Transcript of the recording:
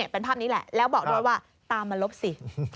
เป็นภาพนี้แหละแล้วบอกด้วยว่าตามมาลบสิ